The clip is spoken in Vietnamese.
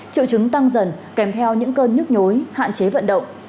triệu chứng tăng dần kèm theo những cơn nhức nhối hạn chế vận động